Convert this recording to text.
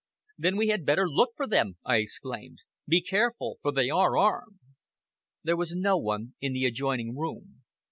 "Then we had better look for them!" I exclaimed. "Be careful, for they are armed." There was no one in the adjoining room.